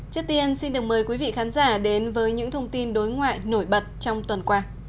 trước tiên xin được mời quý vị khán giả đến với những thông tin đối ngoại nổi bật trong tuần qua